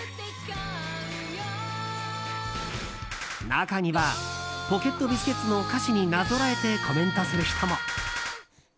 中にはポケットビスケッツの歌詞になぞらえてコメントする人も。